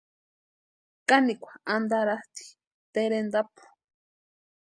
Kanikwa antaratʼi terentapu.